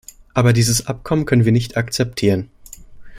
Aber dieses Abkommen können wir nicht akzeptieren.